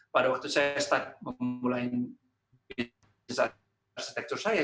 pada waktu saya memulai bisnis arsitektur saya